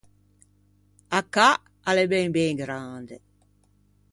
A cà a l’é ben ben grande.